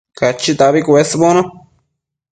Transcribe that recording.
Cachitabi cuesbono